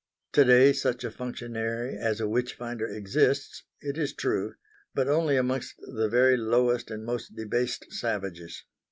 To day such a functionary as a witch finder exists, it is true; but only amongst the very lowest and most debased savages.